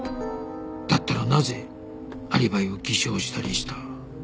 だったらなぜアリバイを偽証したりした？